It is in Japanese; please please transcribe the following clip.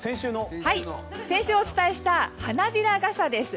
先週お伝えした花びら傘です。